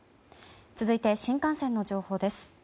続いて新幹線の情報です。